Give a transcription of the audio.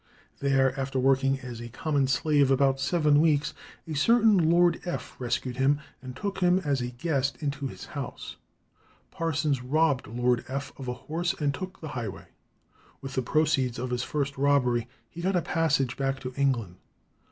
There, "after working as a common slave about seven weeks," a certain Lord F. rescued him and took him as a guest into his house. Parsons robbed Lord F. of a horse and took the highway. With the proceeds of his first robbery he got a passage back to England.